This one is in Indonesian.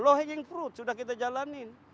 low hanging fruit sudah kita jalanin